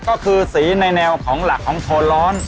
ก็คือสีในแนวของหลักของโทนร้อน